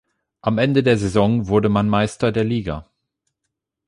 Am Ende der Saison wurde man Meister der Liga.